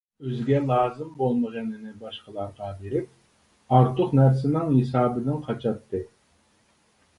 ئۆزىگە لازىم بولمىغىنىنى باشقىلارغا بېرىپ، ئارتۇق نەرسىنىڭ ھېسابىدىن قاچاتتى.